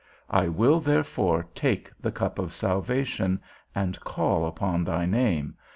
_I will therefore take the cup of salvation, and call upon thy name.